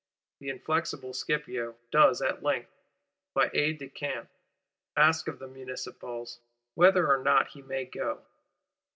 The inflexible Scipio does at length, by aide de camp, ask of the Municipals: Whether or not he may go?